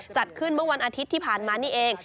จัดขึ้นเมื่อวันอาทิตย์ที่ผ่านมานี่เอง